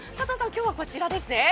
今日はこちらですね。